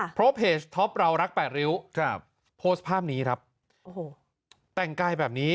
เพราะเพจท็อปเรารักแปดริ้วครับโพสต์ภาพนี้ครับโอ้โหแต่งกายแบบนี้